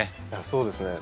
そうですね。